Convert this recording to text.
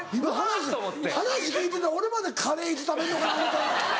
今話聞いてたら俺までカレーいつ食べんのかな思うた。